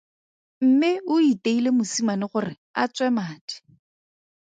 Mme o iteile mosimane gore a tswe madi.